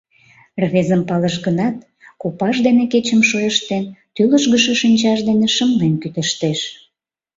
Рвезым палыш гынат, копаж дене кечым шойыштен, тӱлыжгышӧ шинчаж дене шымлен кӱтыштеш.